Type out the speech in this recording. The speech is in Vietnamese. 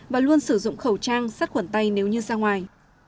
và luôn sử dụng khẩu trang sắt khuẩn tay nếu như ra ngoài